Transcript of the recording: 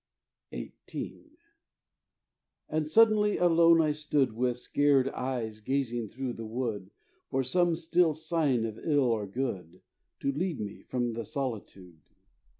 XVIII. And suddenly alone I stood With scared eyes gazing through the wood. For some still sign of ill or good, To lead me from the solitude.